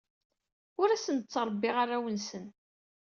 Ur asen-d-ttṛebbiɣ arraw-nsen.